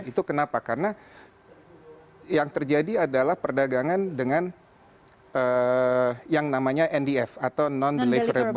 itu kenapa karena yang terjadi adalah perdagangan dengan yang namanya ndf atau non deliverable